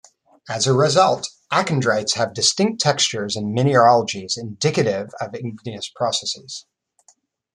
As a result, achondrites have distinct textures and mineralogies indicative of igneous processes.